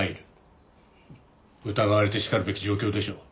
疑われてしかるべき状況でしょう。